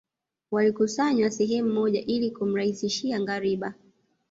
Walikusanywa sehemu moja ili kumrahisishia ngariba